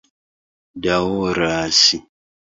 daŭras